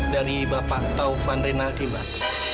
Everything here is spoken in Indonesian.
dari bapak taufan rinaldi mbak